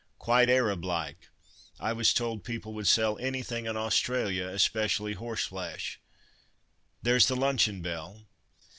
"Quite Arab like! I was told people would sell anything in Australia, especially horseflesh. There's the luncheon bell!